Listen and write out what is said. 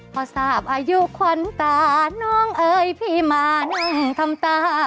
พาสาบอายุควรตาน้องเอยพี่มาให่ทำตา